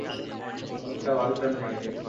লোকটা বাগদান ভেঙে দেয়।